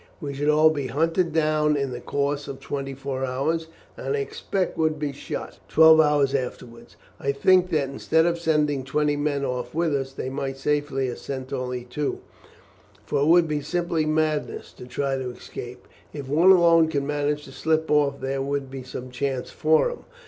We should all be hunted down in the course of twenty four hours, and I expect would be shot twelve hours afterwards. I think that instead of sending twenty men with us they might safely have sent only two, for it would be simply madness to try to escape. If one alone could manage to slip off there would be some chance for him.